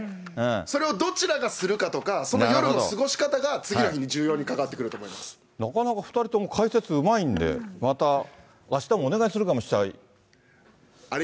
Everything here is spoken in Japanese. それをどちらがするかとか、その夜の過ごし方が、次の日に重要になかなか２人とも解説、うまいんで、また、あしたもお願いするかも。